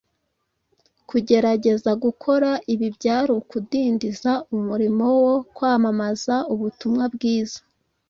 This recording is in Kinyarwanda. Kugerageza gukora ibi byari ukudindiza umurimo wo kwamamaza ubutumwa bwiza.